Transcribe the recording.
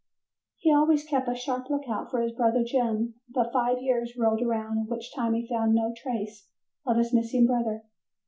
He always kept a sharp lookout for his brother Jim, but five years rolled around in which time he found no trace of his missing brother.